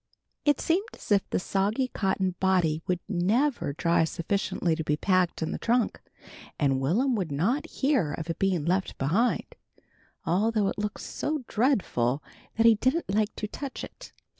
It seemed as if the soggy cotton body never would dry sufficiently to be packed in the trunk, and Will'm would not hear to its being left behind, although it looked so dreadful that he didn't like to touch it.